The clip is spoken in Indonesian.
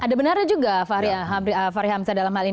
ada benarnya juga fahri hamzah dalam hal ini